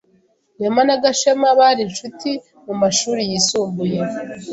Rwema na Gashema bari inshuti mumashuri yisumbuye